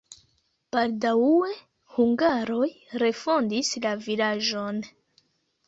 Baldaŭe hungaroj refondis la vilaĝon.